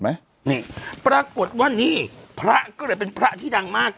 ไหมนี่ปรากฏว่านี่พระก็เลยเป็นพระที่ดังมาก